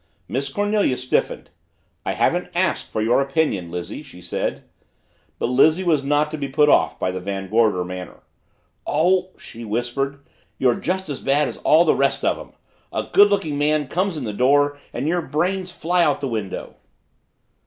Miss Cornelia stiffened. "I haven't asked for your opinion, Lizzie," she said. But Lizzie was not to be put off by the Van Gorder manner. "Oh," she whispered, "you're just as bad as all the rest of 'em. A good looking man comes in the door and your brains fly out the window!"